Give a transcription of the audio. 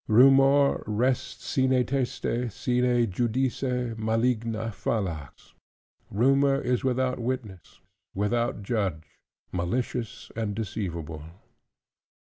'Rumor, res sine teste, sine judice, maligna, fallax'; Rumor is without witness, without judge, malicious and deceivable."